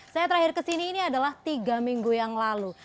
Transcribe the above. saya terakhir kesini ini adalah tiga minggu yang lalu